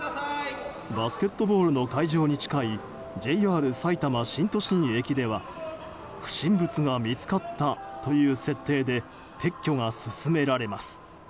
バスケットボールの会場に近いＪＲさいたま新都心駅では不審物が見つかったという設定で撤去が進められます。